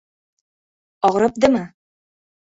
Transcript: — Og‘ribdimi?